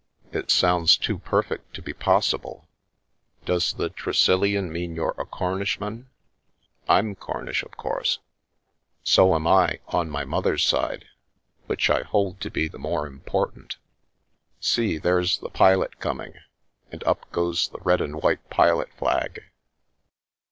" It sounds too perfect to be possible. Does the ' Tre sillian' mean you're a Cornishman? I'm Cornish, of course." The Milky Way " So am I, on my mother's side, which I hold to be the more important. See, there's the pilot coming, and up goes the red and white pilot flag."